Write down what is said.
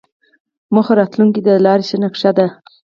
موخه راتلونکې ته د لارې نقشه ده.